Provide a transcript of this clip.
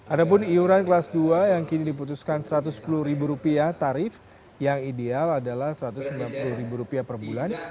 ada pun iuran kelas dua yang kini diputuskan rp satu ratus sepuluh tarif yang ideal adalah rp satu ratus sembilan puluh per bulan